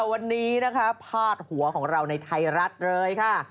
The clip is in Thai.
วันนี้นะคะพาดหัวของเราในไทยรัฐเลยค่ะ